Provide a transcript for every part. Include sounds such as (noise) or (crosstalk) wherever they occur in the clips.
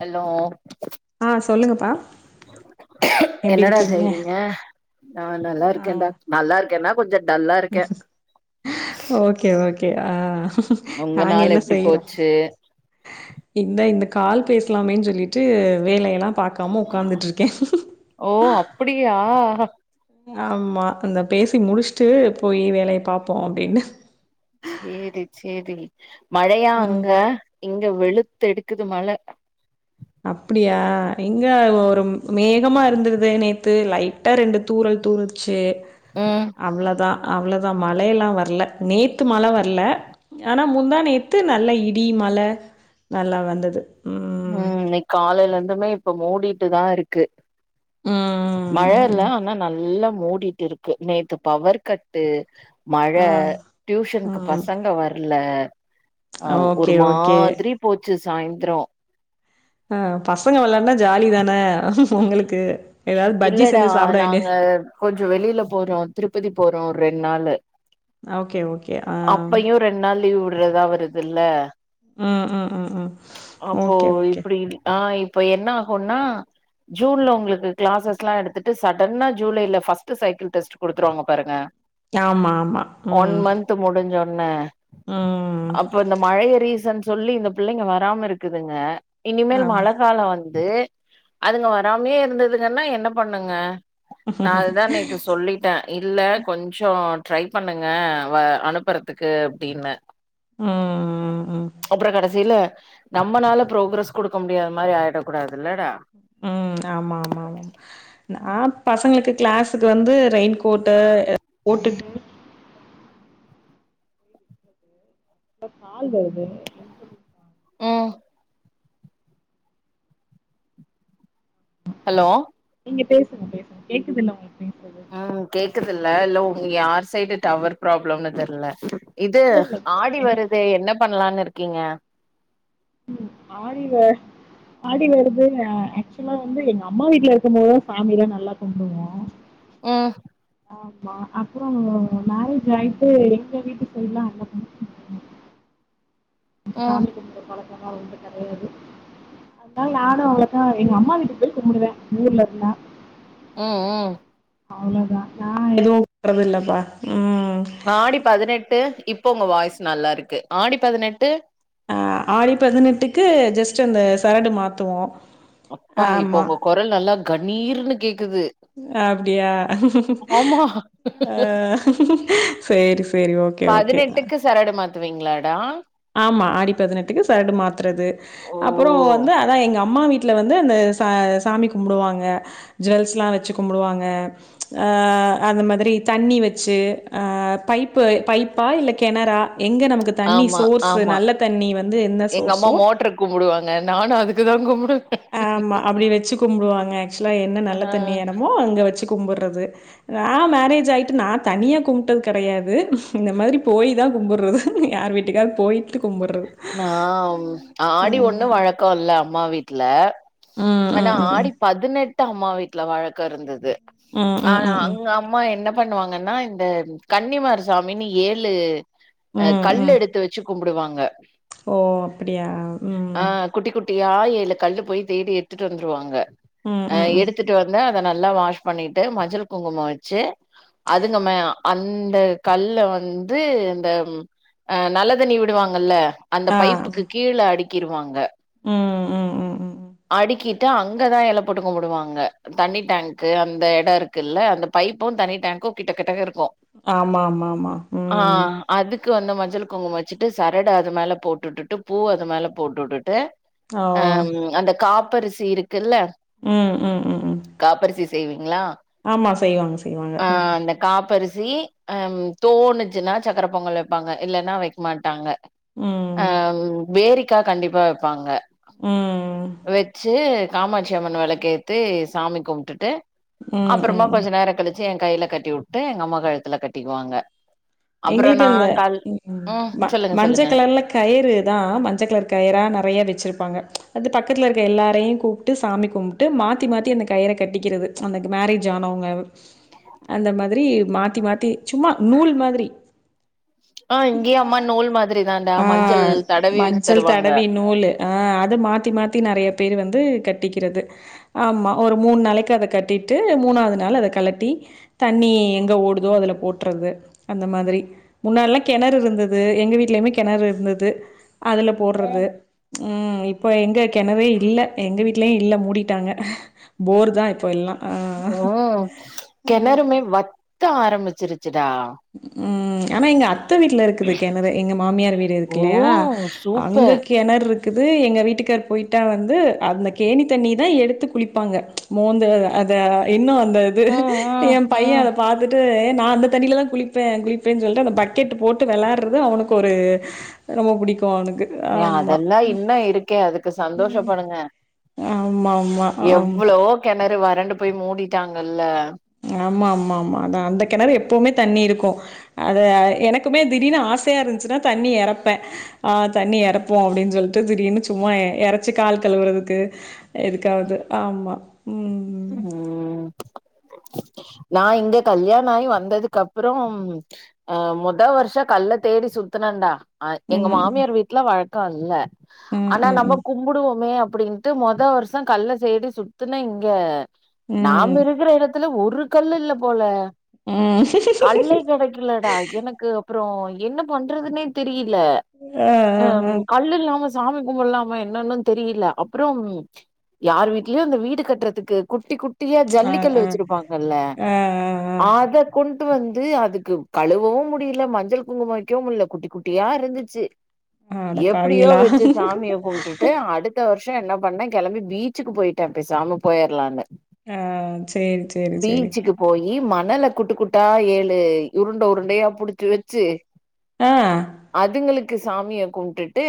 Hello ஆ சொல்லுங்கப்பா எப்டி என்னடா இருக்கீங்க செய்றீங்க ஆ நல்லா ஆ இருக்கேன்டா நல்லா இருக்கேன்னா கொஞ்சம் டல்லா இருக்கே ஓகே ஓகே ஆ உங்க நாங்க நாள் என்ன எப்டி செய்றோ போச்சு இந்தா இந்த கால் பேசலாமேன்னு சொல்லிட்டு வேலையெல்லா பாக்காம உக்கார்ந்துட்டு இருக்கே ஓ அப்படியா ஆமா அந்த பேசி முடிச்சுட்டு போய் வேலைய பாப்போ அப்டின்னு சேரி சேரி மழையா அங்க ம் இங்க வெளுத்து எடுக்குது மழ அப்டியா இங்க ஒரு மேகமா இருந்துது நேத்து லைட் டா ரெண்டு தூரல் தூருச்சு ம் அவ்ளோதா அவ்ளோதா மழையெல்லா வர்ல நேத்து மழ வர்ல ஆனா முந்தாநேத்து நல்லா இடி மழ நல்லா வந்தது ம் ம் இன்னை காலையிலருந்துமே இப்ப மூடிட்டு தா இருக்கு ம் மழை இல்ல ம் ஆன நல்லா மூடிட்டு இருக்கு நேத்து பவர் கட்டு மழை ஆ டியூஷனுக்கு ம் பசங்க வரல அ ஒரு ஓகே ஓகே மாதிரி போச்சு சாயந்திரம் ஆ பசங்க வெளயாடுனா ஜாலி தானே உங்களுக்கு ஏதாவது பஜ்ஜி செஞ்சு சாப்பிட வேண்டிய கொஞ்சம் வெளியில போறோம் திருப்பதி போறோம் ஒரு ரெண்டு நாளு ஓகே ஓகே ஆ ரெண்டு நாள் லீவ் விடுறதா வருதுல்ல ஹம் ஹம் ம் அப்போ ஓகே ஓகே இப்டி ஆ இப்போ என்ன ஆகும்ன்னா ஜூன்ல உங்களுக்கு கிளாசஸ்ல்லா எடுத்துட்டு சடன்னா ஜூலைல பர்ஸ்ட்டு சைக்கிள் டெஸ்ட் குடுத்துருவாங்க பாருங்க ஆமா ஆமா ம் பாத்து முடிஞ்சவோன்னே ம் அந்த மழைய ரீசன் சொல்லி இந்த பிள்ளைங்க வராம இருக்குதுங்க இனிமேல் ஆம் மழை காலம் வந்துட்டு அதுங்க வராமே இருந்ததுங்கன்னா என்ன பண்ணுங்க நான் அதுதான் ந சொல்லிட்டேன் இல்ல கொஞ்சம் ட்ரை பண்ணுங்க அனுப்புறதுக்கு அப்டின்னு ம் ம் அப்புறம் கடைசியில நம்மளால பு்ரோக்ரஸ் கொடுக்க முடியாத மாரி ஆயிடக் கூடாது இல்லடா ம் ஆமா ஆமா ஆமா ஆ பசங்களுக்கு கிளாஸுக்கு வந்து ரெயின்கோட்டு போட்டுட்டு இல்ல கால் வருது ம் ஹலோ நீங்க பேசுங்க பேசுங்க கேக்குது இல்ல உங்களுக்கு பேசுறது ம் கேக்குது இல்ல இல்ல உங்க யார் சைடு டவர் ப்ராப்ளம்னு தெரியல இது ஆடி வருது என்ன பண்ணலான்னு இருக்கீங்க ம் ஆடில ஆடி வருது ஆக்சுவலா வந்து எங்க அம்மா வீட்ல இருக்கும் போதுதான் சாமி நல்லா கும்பிடுவோம் கொண்டுவோ ம் ஆமா அப்புறம் மேரேஜ் ஆயிட்டு எங்க வீட்டு சைடுல அவ்வள ம் சாமி கும்பிடுற பழக்கலாம் ஒன்னும் கெடையாது அதனால் நானும் அவளக்கா எங்க அம்மா வீட்டு போய் கும்பிடுவேன் ஊர்ல இருந்தா ம் ம் அவ்ளோதான் நானும் கும்பிடுறது இல்லப்பா ம் ஆடி பதினெட்டு இப்ப உங்க வாய்ஸ் நல்லா இருக்கு ஆடி பதினெட்டு அ ஆடி பதினெட்டுக்கு ஜஸ்ட் அந்த சரடு மாத்துவோம் அப்பா இப்ப உங்க குரல் நல்லா கண்ணீர்ன்னு கேக்குது அப்டியா ஆமா ஆ செரி செரி ஓகே ஓகே பதினெட்டுக்கு சரடு மாத்துவிங்களா டா ஆமா ஆடி பதினெட்டுக்கு சரடு மாத்துறது ஓ அப்புறம் வந்து அதான் எங்க அம்மா வீட்டு வீட்டுல வந்து அந்த ச சாமி கும்பிடுவாங்க ஜுவல்ஸ் எல்லாம் வச்சு கும்பிடுவாங்க ஆ அந்த மாரி அ தண்ணி வச்சு பைப்பு பைப் பா இல்ல கிணறா எங்க நமக்கு ஆமா ஸ் நல்ல தண்ணி வந்து என்ன சோர்ஸோ (unintelligible) கும்பிடுவாங்க நானு அதுக்கு தா கும்பிடு ஆமா அப்டி வச்சு கும்பிடுவாங்க ஆக்சுவலா என்ன ஆ நல்ல தண்ணி இடமோ அங்க வச்சு கும்பட்றது நா மேரேஜ் ஆயிட்டு நா தனியா கும்ப்ட்டது கெடையாது இந்த மாரி போயி தா கும்பட்றது யார் வீட் ட்டுக்காது போய் நா ஆடி ஒண்ணு ம். வழக் கோ இல்ல அம்மா வீட்ல ம், ஆனா ம், ம், ம். ஆடி பதினெட் ட்டு அம்மா வீட்ல வழக்க இருந்தது ம், ஆ ம், ம், ம். அங்க அம்மா என்ன பண்ணுவாங்கன்னா இந்த கன்னிமார் சாமினு ஏழு ம், கல் ம். எடுத்து வச் வச்சு கும்பிடுவாங்க ஓ அப்டியா ஆ ம் குட்டி குட்டியா ஏழு கல்லு போய் தேடி எடுத்துட்டு வந்துருவாங்க ம், அ ம், எடுத் ம். எடுத்துட்டு வந்து அத நல்லா வாஷ் பண்ணிட்டு மஞ்சள் குங்குமோ வச்சு அதுங்கம்ம அந்த கல்ல வந்து இந்த அ நல்ல தண்ணி விடுவாங்கல்ல அந்த ஆ. பைப்புக்கு கீழ அடுக்கிடுவாங்க ம், ம், ம், ம். அடுக்கி ட்டு அங்கதா எல போட்டு கும்புடுவாங்க தண்ணி டேங்க்கு அந்த இட இருக்குல்ல அந்த பைப்பு தண்ணி டேங்க்கு கிட்ட கிட்டக இருக்கு ஆமா ஆமா ஆமா ஆ ம். அதுக்கு வந்து மஞ்சள் குங்குமோ வச்சுட்டு சரட அது மேல போட்டுட்டு பூ அது மேல போட்டு உட்டுட்டு ஓ! அந்த காப்பர் சீருக் தெர்ல்ல ம் ம் ம் ம் காப்பரிசி செய்வீங்களா ஆமா செய்வாங்க செய்வாங்க ஆ ம் அந்த காப்பரிசி ம் தோணுச்சுன்னா சக்கர பொங்கல் வைப்பாங்க இல்லன்னா வைக்க மாட்டாங்க அ ம். பேரிக்கா கண்டிப்பா வைப்பாங்க ம் வெச்சு காமாட்சி அம்மன் வெளக்கேத்தி சாமி கும்ப்ட்டுட்டு ம், அப்றமா ம். கொஞ்சோ நேர கழிச்சு ஏ கையில கட்டி உட்டு எங்க அம்மா கழுத்துல கட்டிக்குவாங்க அப்புறோ எங்களுக்கு நா அந்த கால் ம் ம சொல்லுங்க சொல்லுங்க மஞ்சள் கலர்ல கயிறு தா மஞ்ச கலர் கயிரா நறையா வச்சிருப்பாங்க அது பக்கத்தில இருக்க எல்லாரையு கூப்ட்டு சாமி கும்ப் பிட்டு மாத்தி அந்த கயிற கட்டிக்கிறது அந்த மேரேஜ் ஆனவங்க அந்த மாதிரி மாத்தி மாத்தி சும்மா நூல் மாதிரி ஆ இங்கேயு அம்மா நூல் மாதிரி தான்டா ஆ மஞ்சள் தடவி மஞ்சள் தருவாங்க தடவி நூலு ஆ அது மாத்தி மாத்தி நிறைய பேர் வந்து கட்டிக்கிறது ஆமா ஒரு மூணு நாளைக்கு அத கட்டிட்டு மூணாவது நாள் அத கழட்டி தண்ணி எங்க ஓடுதோ அதுல போட்றது அந்த மாதிரி முன்னல்லா கெணறு இருந்தது எங்க வீட்லயுமே கெணறு இருந்தது அதுல போட்றது ம் இப்ப எங்க கிணறே இல்ல எங்க வீட்லயு இல்ல மூடிட்டாங்க போர் தா இப்ப எல்லா ஆ ம் கெணறுமே வத்த ஆரம்பிச்சிருச்சுடா ம் ஆனா எங்க அத் அத்த வீட்ல இருக்குது கெணறு எங்க மாமியார் வீடு இருக்கு ஓ இல்லையா அங்க சூப்பர் கெணறு இருக் குது எங்க வீட்டுக்கார் போயிட்டா வந்து அந்த கேணி தண்ணி தா எடுத்து குளிப்பாங்க மோந்து அத இன்னு அந்த இது ம் ஏ ம் பைய ம் அத பாத்துட்டு ஏ நா அந்த தண்ணில தா குளிப்பே குளிப்பேன்னு சொல்ட்டு அந்த பக்கெட் போட்டு வெளையாட்றது அவனுக்கு ஒரு ரொம்ப புடிக்கு அவனுக்கு ஏ ஆமா. அதெல்லா இன்னு இருக்கே அதுக்கு சந்தோஷப்படுங்க ஆமா ஆமா ஆமா எவ்ளோ கெணறு வறண்டு போய் மூடிட்டாங்கல்ல ஆமா ஆமாமா அதா அந்த கெணறு எப்போமே தண்ணி இருக்கு அது எனக்குமே திடீர்னு ஆசையா இருந்துச்சுன்னா தண்ணி எறப்பே ஆ தண்ணி எறப்போ அப்டின்னு சொல்ட்டு திடீர்னு சும்மா எறச்சி கால் கழுவுறதுக்கு எதுக்காவது ஆமா ம் ம் நா இங்க கல்யாணாயி வந்ததுக்கப்புறம் ஆ மொத வருஷ கல்ல தேடி சுத்துனண்டா ஆ எங்க ம். மாமியார் வீட்ல வழக்கோ இல்ல ம். ஆனா ம். நம்ம ம். கும்புடுவோமே அப்டின் ட்டு மொத வருஷ கல்ல சடி சுத்துன இங்க நாம ம். இருக்குற எடத்து ல ஒரு கல் இல்ல போல ம். கல்லே கெடைக்கலடா எனக்கு அப்புறோ என்ன பண்றதுன்னே தெரியில ஆ கல்லு இல்லாம சாமி கும்புட்லாமா என்னன்னு தெரியில அப்றம் யார் வீட்லயோ அந்த வீடு கட்டுற த்துக்கு குட்டி குட்டியா ஆ, ஆ. ஆ, ஜல்லிக்கல்லு ஆ. வச்சிருப்பாங்கல்ல ஆ, ஆ, அத கொண்டு வந்து அதுக்கு கழுவவு முடியல மஞ்சள் குங்கும வக்கவு முட்ல குட்டி குட் டியா இருந்துச்சு ஆ. அட எப்டியோ பாவிகளா! வச்சு சாமிய கும்ட்டுட் டு அடுத்த வருஷ என்ன பண்ண கெளம்பி பீச்சுக்கு போயிட்டே பேசாம போயிரலான்னு ஆ சேரி சேரி சேரி போயி மணல குட்டு குட்டா ஏழு உருண்ட உருண்டையா புடிச்சு வச்சு ஆ. அதுங்களுக்கு சாமிய கும்ட்டுட்டு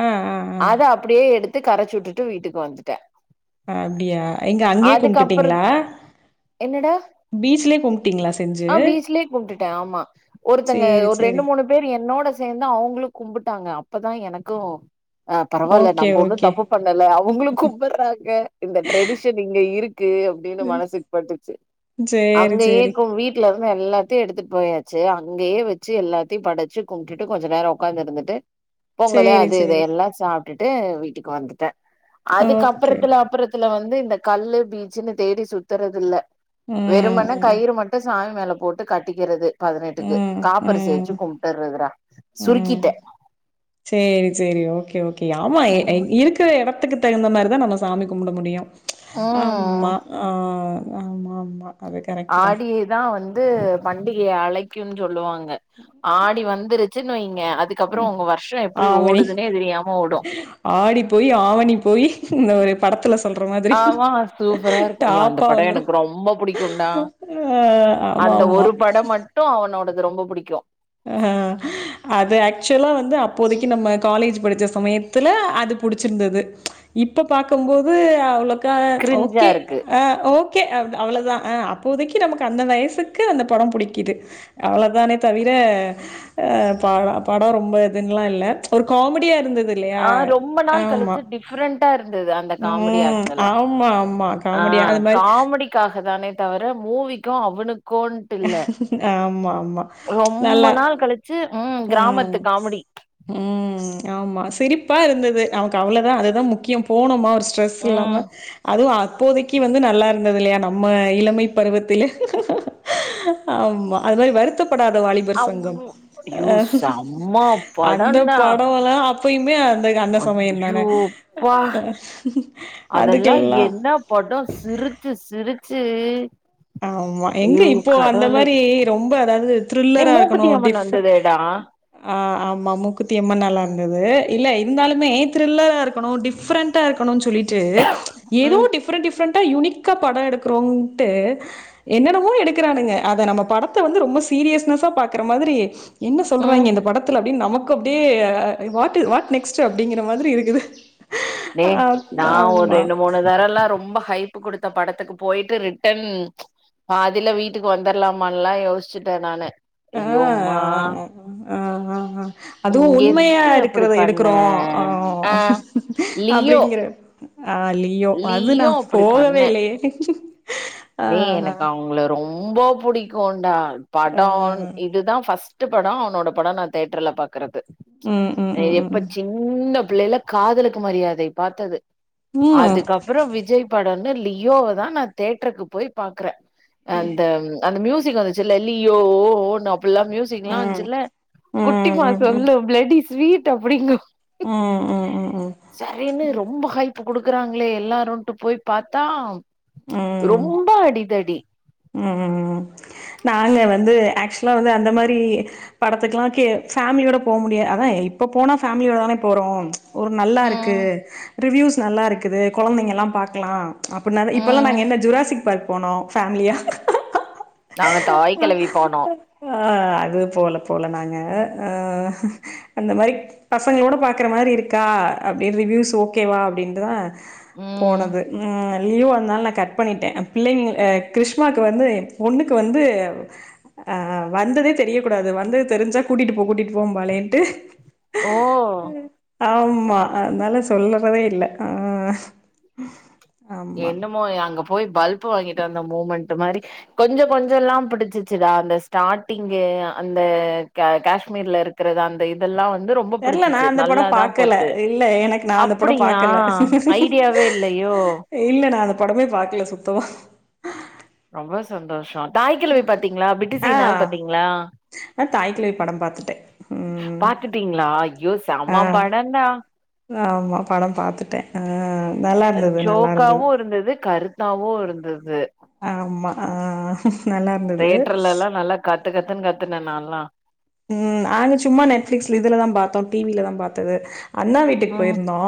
ஆ, ஆ, ஆ. அத அப்டியே எடுத்து கரச்சு விட்டுட்டு வீட்டுக்கு வந்துட்ட ஆ அப்டியா எங்க அங்கேயே அதுக்கப்புற கும்ட்டுட்டீங்களா என்னடா கும்ட்டீங்களா செஞ்சு ஆ பீச்லயே கும்ட்டுட்டே ஆமா ஒருத்தங்க சேரி ஒரு சேரி ரெண்டு மூணு பேரு என்னோட சேந்து அவுங்களு கும்புட்டாங்க அப்பதா எனக்கு ஆ பரவாயில்ல ஓகே நம்ப ஒண்ணு ஓகே தப்பு பண்ணல அவுங்களு கும்புட்றாங்க இந்த ட்ரெடிஷன் இங்க இருக்கு அப்டின்னு ம் மனசுக்கு பட்டுச்சு சேரி அங்க சேரி ஏக்கு வீட் ல இருந்து எல்லாத்தையு எடுத்துட்டு போயாச்சு அங்கேயே வச்சு எல்லாத்தையு படச்சு கும்ட்டுட்டு கொஞ்ச நேர உக்காந்து இருந்துட்டு பொங்கலு சேரி அது இத சேரி எல்லா சாப்ட்டுட்டு வீட்டுக்கு வந்துட்ட ஓகே அதுக்கப்புறத்துல அப்புறத் துல வந்து இந்த கல்லு பீச்சுன்னு தேடி சுத்தறது இல்ல ம் வெறுமனே ம் கயிறு மட் டு சாமி மேல போட்டு கட்டிக்கறது பதினெட்டுக்கு ம் காப்பரிசி வச்சு ம் கும்ட்டுறதுரா ம் சுருக்கிட்டே சேரி சேரி ஓகே ஓகே ஆமா எ இ க்குற எடத்துக்கு தகுந்த மாரிதா நம்ம சாமி கும்புட முடியு ம் ஆமா ஆ ஆமா ஆமா அது கரெக்ட் ஆடியி தா வந்து பண்டிகைய அழைக்குன் சொல்லுவாங்க ஆடி வந்துருச்சுன்னு வைங்க அதுக் கப்புற உங்க வர்ஷ எப்டி ஆவணி ஓடுதுன்னே தெரியாம ஓடு ஆடி போய் ஆவணி போய் இந்த ஒரு படத்துல சொல்ற மாதிரி ஆமா சூப்பரா இருக்கு ஐயோ அந்த டாப்பா படோ வந்துரு எனக்கு ரொம்ப புடிக்கும்டா ஆ ஆமா ஆமா டோ அவனோடது ரொம்ப பிடிக்கு ஆ அது ஆக்சுவலா வந்து அப்போதைக்கு நம்ம காலேஜ் படிச்ச சமயத்துல அது புடிச்சிருந்துது இப்ப பாக்கும்போது அவ்ளக்க கிரிஞ்சா ஓகே இருக்கு ஆ ஓ கே அவ்ளவுதா அப்போதைக்கு நமக்கு அந்த வயசுக்கு அந்த படம் புடிக்குது அவ்ளவுதானே தவி ர அ படோ ரொம்ப இதுன்னல்லா இல்ல ஒரு காமெடியாருந்துது ஆ ரொம்ப நாள் கழிச்சு டிஃப்ரெண்டண்டாருந்துது அந்த காமெடி ம். அக்ட் எல்லா ஆமா, ஆமா. ஆ காமெடியா அது மாரி காமெடிக்காக தானே தவிர மூவிக்கு அவனுக்கு ட்டு இல்ல ஆமா, ஆமா. ரொம்ப நல்லா நாள் கழிச்சு ம் கிராமத்து ம் காமெடி. ம் ஆமா சிரிப்பாருந்துது நமக்கு அவ்ளவுதா அதுதா முக்கியம் போனோமா ஸ்ட்ரெஸ் ம் இல்லாம அதுவு அப்போதைக்கு வந்து நல்லாருந்துது இல்லயா நம்ம இளமை பருவத்தில ஆமா அது மாரி வருத்தப்படாத வாலிப அ யூ செம்ம படோன்டா அ அப்பயுமே அந் த அந்த சமயந்தான ப்பா அதெல்லா அதுக்கெல்லா என்ன படோ சிரிச்சு சிரிச்சு ஆமா எங்க ஐயோ! இப்போ அந்த கடவுளே! மாரி ரொம்ப அதாவது டேய் த்ரில்லராருக்குணு மூக்குத்தி அம்மன் டிஃப வந்ததேடா. ஆ ஆமா மூக்குத்தியம்மன் நல்லாருந்துது இல்ல இருந்தாலுமே த்ரில்லரா இருக்கணு டிஃப்ரெண் ட்டா இருக்குணுன் சொல்லிட்டு ஏதோ ம் டிஃப்ரெட் டிஃப்ரொட்டா யுனிக்கா படொ எடுக்குறோன்ட்டு என்னெனவோ எடுக்குறானுங்க அத நாம படத்த வந்து ரொம்ப சீரியஸ்னெஸ்ஸா பாக்குற மாதிரி என்ன ம். சொல்றாய்ங்க இந்த படத்துல அப்டின் நமக் கு அப்டியே அ வாட்டு வாட் நெக்ஸ்ட் அப்டிங்கிற மாதிரி இருக்குது நே ஆ நா ஒரு ஆமா ரெண்டு மூணு இந்த தரல்லா ரொம்ப ஹைப்பு குடுத்த படத்துக்கு போய்ட்டு ரிட்டன் பாதில வீட்டுக்கு வந்துர்லாமான்லா யோஸ்ச்சிட்டே நானு அய்யோம்மா அ அ ஆ அதுவு உண்மையா எது அப்டி இருக்கிறத பண்ண எடுக்கறோ ஆ ஆ லியோ அப்டிங்கற ஆ லியோ அது நா லியோ அப்டி போகவே இல்லையே ஆ மே எனக்கு அவுங்ள ரொம்போ புடிக்குண்டா ஆ ஆ படோ இதுதா ஃபஸ் ட்டு படோ அவுனோட படோ நா தேட்ருல பாக்குறது ம் ம் ம் எப்ப ம் சின் ன பிள்ளைல காதலுக்கு மரியாதை பாத்தது ம் அதுகப் றோ விஜய் படோன்னா லியோவதா நா தேட்ருக்கு போய் பாக்றே அந்த அந்த மியூசிக் வந்துச்சுல்லே லியோ யோ ன்னு அப்புல்லா மியூசிக்லா வச்சில்ல ம் ம் குட்டிமா ம் சொல்லு பிளடி ஸ்வீட் அப்டிங்கு ம் ம் ம் சரினு ரொம்போ ஹைப்பு குடுக்குறாங்ளே எல்லாருன்ட்டு போய் பாத்தா ம் லா அடிதடி ம் ம் நாங்க வந்து ஆக்சுலா வந்து அந்த மாரி படத்துக்லா கே ஃபேம்லியோட போ முடியா அதா இப்ப போனா ஃபேம்லியோட தானே போறோ ஒரு நல்லா இருக்கு ம், ரிவ்யூஸ் நல்லா இருக்குது கொழந்தைங்கல்லா பாக்கலா அப்புட்னாவே இப்பெல்லா ம். நாங்க என்ன ஜுராசிக்பார்க் போனோ ஃபேம்லியா நாங்க தாய் கெழவி போனோம். ஆ அதுவு போல போல நாங்க ஆ அந்த மாரி பசங்ளோட பாக்கற மாரி இருக்கா அப்டின் ரிவியூஸ் ஓக்கேவா அப்டின்ட்டுதா ம். போனது ம் லியோ வந்தனால நா கட் பண்ணிட்டே பிள்ளைங்க ஆ கிருஷ் னாக்கு வந்து ஏ பொண்ணுக்கு வந்து ஆ வந்ததே தெரிய கூடாது வந்தது தெரிஞ்சா கூட்டிட்டு போ கூட்டிட்டு போம்பாளேன்ட்டு ஓ ஆமா அதனால சொல்லறதே இல்ல ஆ ஆமா என்னமோ அங்க போயி பல்ப்பு வாங்கிட்டு வந்த மூமண்ட்டு மாரி கொஞ்சோ கொஞ்சோல்லா புடிச்சிருச்சிடா அந்த ஸ்டாட்டிங்கு அந்த கே கேஷ்மீர்ல இருக் கிறது அந்த இதெல்லா வந்து ரொம்போ தெர்ல நா புடிச்சிச்சி அந்த படோ நல்லாதா பாக்கல போச்சி இல்ல எனக்கு நா அந்த அப் படோ பிடியா பாக்கல ஐடியாவே இல்லையோ இல்ல நா அந்த படமே பாக்கல சுத்தமா ரொம்போ சந்தோஷம் தாய்க்கிழவி பாத்தீங்கிளா ஆ பிட்டுசீனாவது பாத்தீங்கிளா நா தாய்க்கிழவி படம் பாத்துட்டே ம் பாத்துட்டீங்கிளா ஐயோ ஆ செம படன்டா ஆமா படம் பாத்துட்ட ஆ நல்லா இருந்தது நல்லா இரு தாவு இருந்தது கருத் தாவு இருந்தது ஆமா ஆ நல்லா இருந்தது தேட்டர்லல்லா நல்லா கத்து கத்துன் கத்துன நால்லா ம் நாங்க சும்மா நெட்ஃபிளிக்ஸ்ல இதுலதா பாத்தோ டிவிலதா பாத்தது அண்ணா வீட்டுக்கு ம் போயிருந்தோ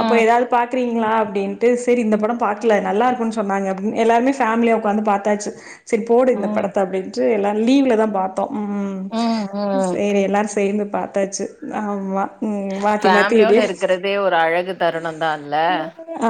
அப்போ எதாவது பாக்கறீங்ளா அப்டின்ட்டு செரி இந்த படம் பாக்கல நல்லா இருக்குன் சொன்னாங்க அப்டின் எல்லாருமே ஃபேமிலியா உக்காந்து பாத்தாச்சி சரி போடு இந்த ம் படத்த அப்டின்ட்டு எல்லாரு லீவ்ல தா பாத்தோ ம் ம் ம் சேரி எல்லாரு சேந்து பாத்தாச்சி ஆமா ம் மாத்தி மாத்தி ஃபேமிலியோட இப்டியே இருக்கறதே ஒரு அழகு தருணம் தா இல்ல ஆ